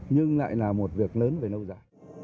nhưng lại là một việc lớn về nâu giá